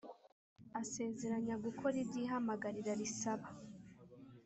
asezeranya gukora ibyo ihamagarira risaba